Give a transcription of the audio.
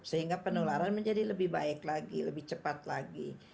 sehingga penularan menjadi lebih baik lagi lebih cepat lagi